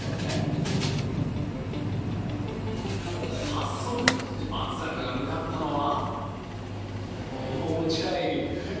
早速、松坂が向かったのは。